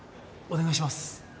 お願いします。